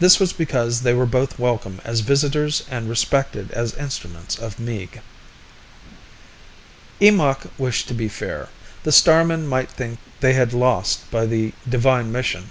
This was because they were both welcome as visitors and respected as instruments of Meeg. Eemakh wished to be fair. The starmen might think they had lost by the divine mission.